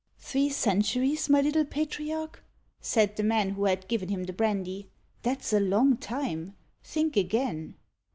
"Three centuries, my little patriarch?" said the man who had given him the brandy. "That's a long time. Think again."